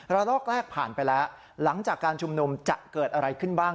ลอกแรกผ่านไปแล้วหลังจากการชุมนุมจะเกิดอะไรขึ้นบ้าง